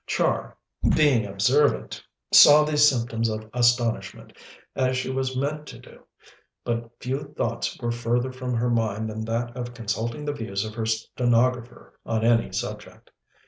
Char, being observant, saw these symptoms of astonishment, as she was meant to do, but few thoughts were further from her mind than that of consulting the views of her stenographer on any subject.